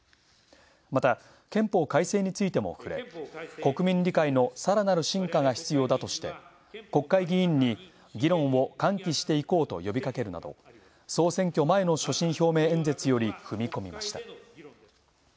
また、憲法改正についても触れ、「国民理解のさらなる進化が必要だ」として、国会議員に「議論を喚起していこう」と呼びかけるなど総選挙前の所信表明演説より踏み込みました。